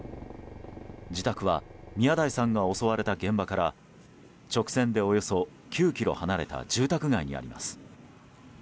自宅は宮台さんが襲われた現場から直線でおよそ９ｋｍ離れた住宅街にあります。